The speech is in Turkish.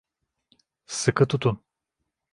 Sıkı tutun!